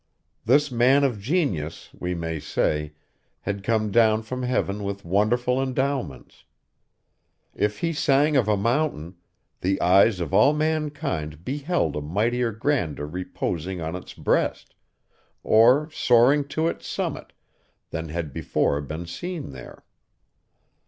This man of genius, we may say, had come down from heaven with wonderful endowments. If he sang of a mountain, the eyes of all mankind beheld a mightier grandeur reposing on its breast, or soaring to its summit, than had before been seen there.